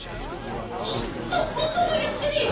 一言も言ってねえよ！